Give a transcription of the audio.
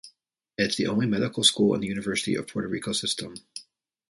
It's the only medical school in the University of Puerto Rico System.